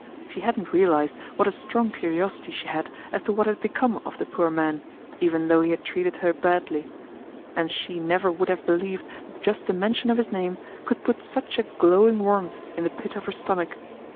She hadn't realized what a strong curiosity she had as to what had become of the poor man, even though he had treated her badly. And she never would have believed that just the mention of his name could put such a glowing warmth in the pit of her stomach.